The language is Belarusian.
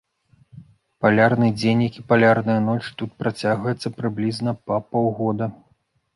Палярны дзень, як і палярная ноч, тут працягваецца прыблізна па паўгода.